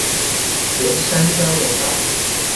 圓山交流道